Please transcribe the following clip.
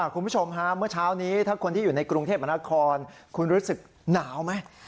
คุณผู้ชมฮะเมื่อเช้านี้ถ้าคนที่อยู่ในกรุงเทพมนาคอนคุณรู้สึกหนาวไหม